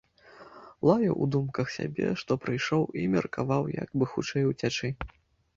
Лаяў у думках сябе, што прыйшоў, і меркаваў, як бы хутчэй уцячы.